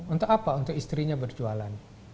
untuk apa untuk istrinya berjualan